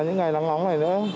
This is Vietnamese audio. những ngày nắng nóng này nữa